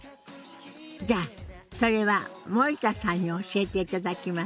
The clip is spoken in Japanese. じゃあそれは森田さんに教えていただきましょうね。